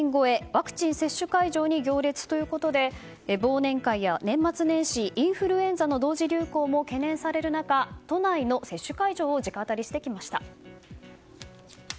ワクチン接種会場に行列ということで忘年会や年末年始インフルエンザの同時流行も懸念される中、都内の接種会場を直アタリしてきました。